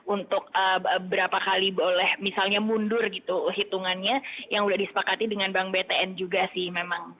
untuk berapa kali boleh misalnya mundur gitu hitungannya yang sudah disepakati dengan bank btn juga sih memang